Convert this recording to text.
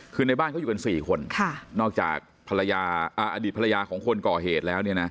คือในบ้านก็อยู่กันสี่คนนอกจากอดีตภรรยาของคนก่อเหตุแล้ว